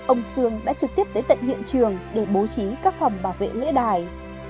ông sương đã trực tiếp tới tận hiện trường để bố trí các phòng bảo vệ lễ đài